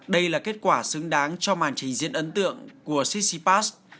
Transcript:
đây là kết quả xứng đáng cho màn trình diễn ấn tượng của cissypass